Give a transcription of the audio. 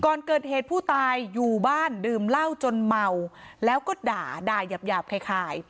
ก่อนเกิดเหตุผู้ตายอยู่บ้านดื่มเหล้าจนเมาแล้วก็ด่าด่ายาบคล้าย